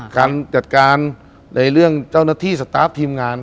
การจัดการในเรื่องเจ้าหน้าที่สตาร์ฟทีมงาน